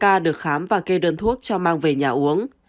các bệnh viện cũng đã kêu đơn thuốc cho mang về nhà uống